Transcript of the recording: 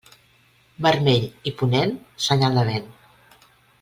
Vermell i ponent, senyal de vent.